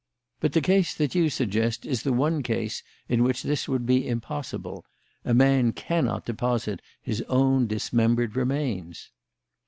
But the case that you suggest is the one case in which this would be impossible. A man cannot deposit his own dismembered remains."